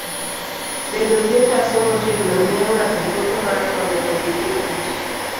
bedo gi otase motegno miyo ng'ato thuolo mar mondo ondike tich.